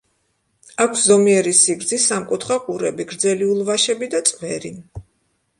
აქვს ზომიერი სიგრძის, სამკუთხა ყურები, გრძელი ულვაშები და წვერი.